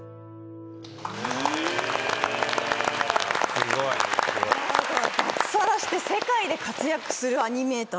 すごい。脱サラして世界で活躍するアニメーター。